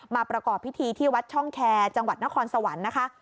ประกอบพิธีที่วัดช่องแคร์จังหวัดนครสวรรค์นะคะ